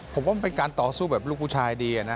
ผมว่ามันเป็นการต่อสู้แบบลูกผู้ชายดีนะ